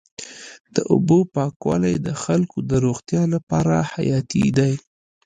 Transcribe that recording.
د اوبو پاکوالی د خلکو د روغتیا لپاره حیاتي دی.